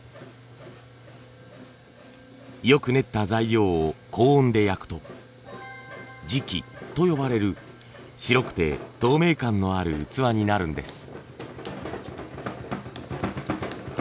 よく練った材料を高温で焼くと磁器と呼ばれる白くて透明感のある器になるんです。